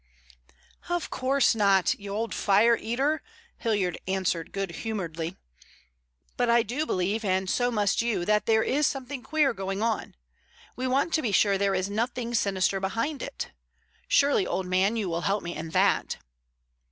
"Of course not, you old fire eater," Hilliard answered good humoredly, "but I do believe, and so must you, that there is something queer going on. We want to be sure there is nothing sinister behind it. Surely, old man, you will help me in that?"